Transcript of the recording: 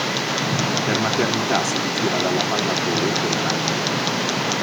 Per maternità si ritira dalla pallavolo per un anno.